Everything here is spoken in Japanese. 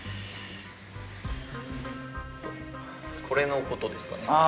これのことですかね？